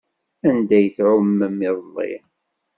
Anda ay tɛumem iḍelli?